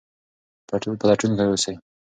پلټونکي اوسئ.